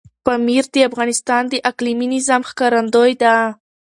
پامیر د افغانستان د اقلیمي نظام ښکارندوی ده.